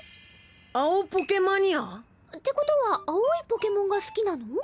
青ポケマニア？ってことは青いポケモンが好きなの？